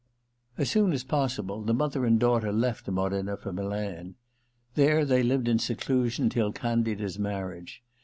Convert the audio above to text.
As soon as possible, the mother and daughter left Modena for Milan. There they lived in seclusion till Candida's marriage.